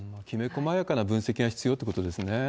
きめ細やかな分析が必要ということですね。